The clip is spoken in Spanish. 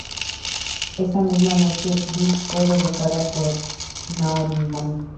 Esa misma noche, Bliss fue derrotada por Naomi.